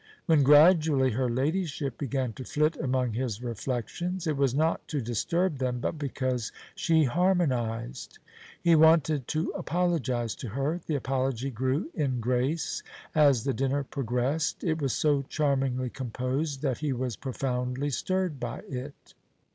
When gradually her Ladyship began to flit among his reflections, it was not to disturb them, but because she harmonized. He wanted to apologize to her. The apology grew in grace as the dinner progressed; it was so charmingly composed that he was profoundly stirred by it.